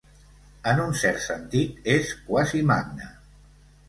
En un cert sentit, és quasi magne.